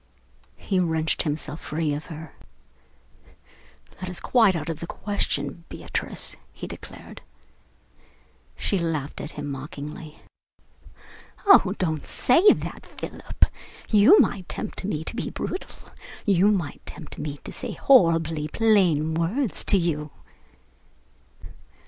He wrenched himself free from her. "That is quite out of the question, Beatrice," he declared. She laughed at him mockingly. "Oh, don't say that, Philip! You might tempt me to be brutal. You might tempt me to speak horribly plain words to you."